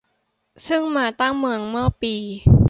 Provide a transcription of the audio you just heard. ซึ่งมาตั้งเมืองเมื่อปี